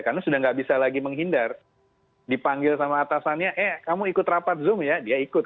karena sudah tidak bisa lagi menghindar dipanggil sama atasannya eh kamu ikut rapat zoom ya dia ikut